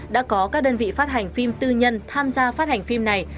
đã có các đơn vị phát hành phim tư nhân tham gia phát hành phim này